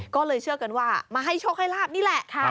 ก็เลยเชื่อกันว่ามาให้โชคให้ลาบนี่แหละ